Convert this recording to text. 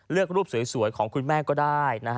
เลือกรูปสวยของคุณแม่ก็ได้นะฮะ